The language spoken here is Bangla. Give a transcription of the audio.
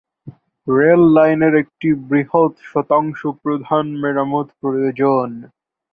রেল লাইনের একটি বৃহৎ শতাংশ প্রধান মেরামত প্রয়োজন।